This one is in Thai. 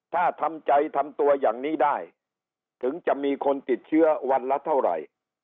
ถ้าทำใจทำตัวอย่างนี้ได้ถึงจะมีคนติดเชื้อวันละเท่าไหร่